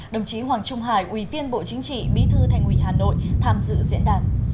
đồng chí hoàng trung hải ủy viên bộ chính trị bí thư thành ủy hà nội tham dự diễn đàn